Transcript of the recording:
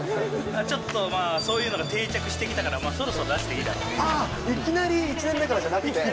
ちょっとそういうのが定着してきたから、そろそろ出していいだろうって。